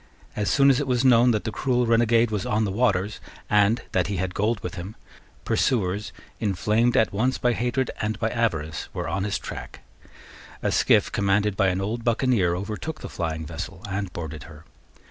As soon as it was known that the cruel renegade was on the waters, and that he had gold with him, pursuers, inflamed at once by hatred and by avarice, were on his track, A skiff, commanded by an old buccaneer, overtook the flying vessel and boarded her.